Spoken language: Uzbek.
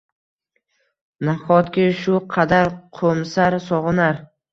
Nahotki shu qadar qo‘msar, sog‘inar